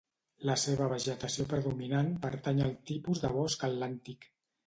La seva vegetació predominant pertany al tipus de Bosc Atlàntic.